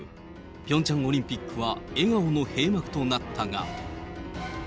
ピョンチャンオリンピックは笑顔の閉幕となったが。